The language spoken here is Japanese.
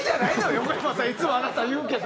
横山さんいつもあなた言うけど。